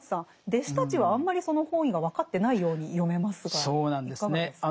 弟子たちはあんまりその本意が分かってないように読めますがいかがですか？